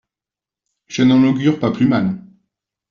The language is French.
Je n'en augure pas plus mal.